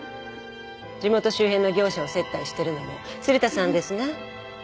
地元周辺の業者を接待してるのも鶴田さんですね？